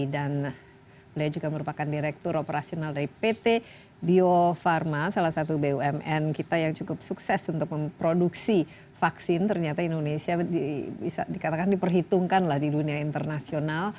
dan beliau juga merupakan direktur operasional dari pt bio pharma salah satu bumn kita yang cukup sukses untuk memproduksi vaksin ternyata indonesia bisa dikatakan diperhitungkan lah di dunia internasional